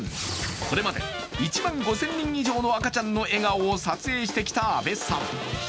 これまで１万５０００人以上の赤ちゃんの笑顔を撮影してきた阿部さん。